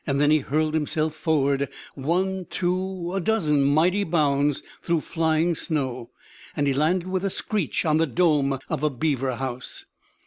Then he hurled himself forward one, two, a dozen mighty bounds through flying snow, and he landed with a screech on the dome of a beaver house.